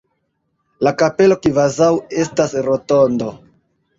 La kapelo kvazaŭ estas rotondo.